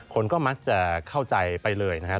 คนก็มักจะเข้าใจไปเลยนะครับ